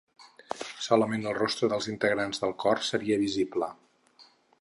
Solament el rostre dels integrants del cor seria visible.